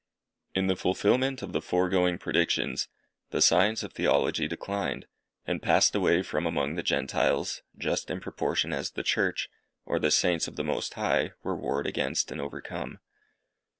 In the fulfilment of the foregoing predictions, the science of Theology declined, and passed away from among the Gentiles, just in proportion as the Church, or the Saints of the Most High, were warred against and overcome.